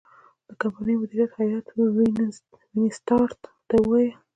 د کمپنۍ مدیره هیات وینسیټارټ ته وویل.